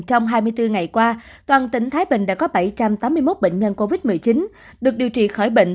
trong hai mươi bốn ngày qua toàn tỉnh thái bình đã có bảy trăm tám mươi một bệnh nhân covid một mươi chín được điều trị khỏi bệnh